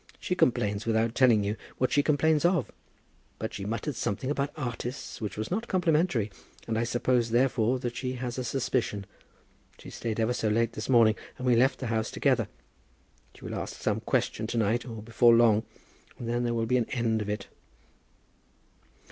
She complains without telling you what she complains of. But she muttered something about artists which was not complimentary, and I suppose, therefore, that she has a suspicion. She stayed ever so late this morning, and we left the house together. She will ask some direct question to night, or before long, and then there will be an end of it."